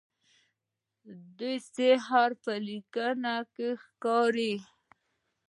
د "ث" حرف په لیکنه کې ښکاري.